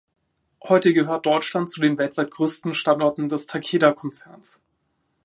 Heute gehört Deutschland zu den weltweit größten Standorten des Takeda Konzerns.